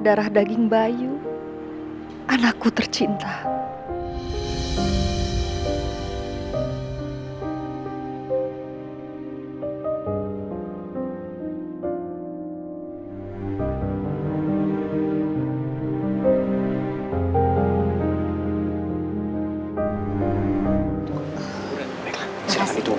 silahkan ditunggu sebentar ya